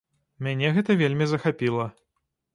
Мяне гэта вельмі захапіла.